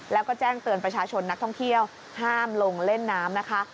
แล้วก็แจ้งเตือนประชาชนนักท่องเที่ยวห้ามลงเล่นน้ำนะคะ